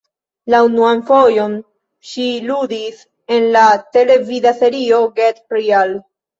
La unuan fojon ŝi ludis en la televida serio "Get Real".